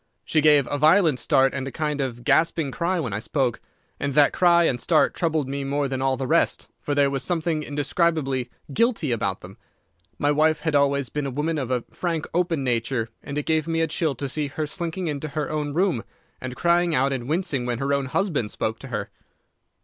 "She gave a violent start and a kind of gasping cry when I spoke, and that cry and start troubled me more than all the rest, for there was something indescribably guilty about them. My wife had always been a woman of a frank, open nature, and it gave me a chill to see her slinking into her own room, and crying out and wincing when her own husband spoke to her.